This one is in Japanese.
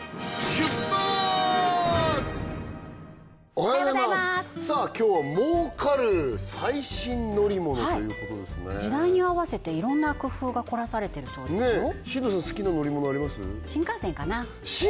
おはようございますさあ今日は儲かる最新乗り物ということですね時代に合わせていろんな工夫が凝らされてるそうですよ進藤さん